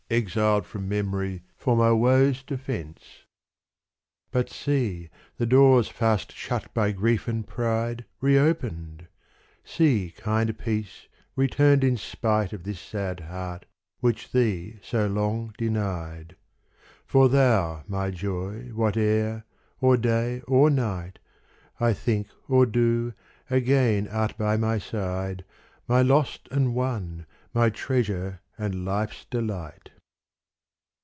Exiled from memory for my woe's defence. But see the doors fast shut by grief and pride, Reopened : see kind peace returned in spite Of this sad heart which thee so long denied : For thou my joy, whate'er, or day or night, I think or do, again art by my side, My lost and won, my treasure and life's delight.